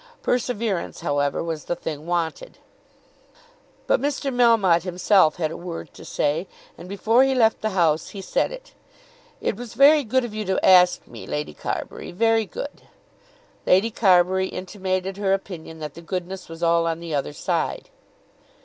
Perseverance, however, was the thing wanted. But Mr. Melmotte himself had a word to say, and before he left the house he said it. "It was very good of you to ask me, Lady Carbury; very good." Lady Carbury intimated her opinion that the goodness was all on the other side.